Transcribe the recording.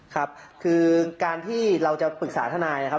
ครับคือการที่เราจะปรึกษาทนายนะครับ